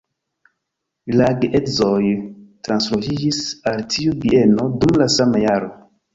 La geedzoj transloĝiĝis al tiu bieno dum la sama jaro.